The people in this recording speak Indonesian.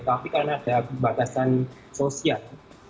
tapi karena ada pembatasan sosial